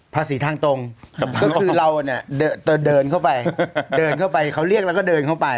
ภาษีทางตรงก็คือเราเดินเข้าไปเขาเรียกแล้วก็เดินเข้าไป